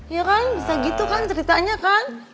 ya kan bisa gitu kan ceritanya kan